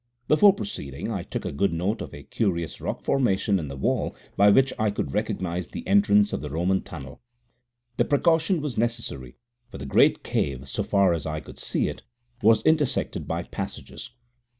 Before proceeding, I took good note of a curious rock formation in the wall by which I could recognize the entrance of the Roman tunnel. The precaution was very necessary, for the great cave, so far as I could see it, was intersected by passages.